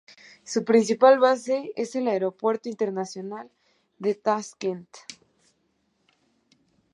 Su principal base es el Aeropuerto Internacional de Taskent.